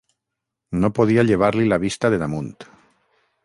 No podia llevar-li la vista de damunt.